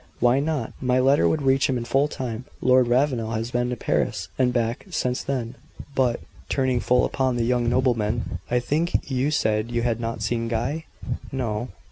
"Why not? My letter would reach him in full time. Lord Ravenel has been to Paris and back since then. But " turning full upon the young nobleman "I think you said you had not seen Guy?" "No."